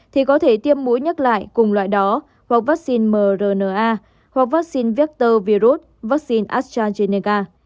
thì có thể tiêm mũi nhắc lại cùng loại đó hoặc vắc xin mrna hoặc vắc xin vector virus vắc xin astrazeneca